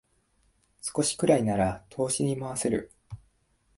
少しくらいなら投資に回せる